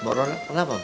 mbak rono kenapa